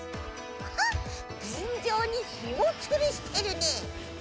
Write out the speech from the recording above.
あってんじょうにひもをつるしてるね。